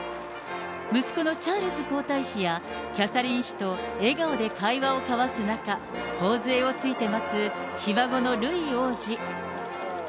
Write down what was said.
息子のチャールズ皇太子やキャサリン妃と笑顔で会話を交わす中、ほおづえをついて待つひ孫のルイ王子。